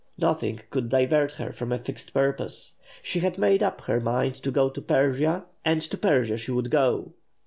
Nothing could divert her from a fixed purpose. She had made up her mind to go to Persia, and to Persia she would go.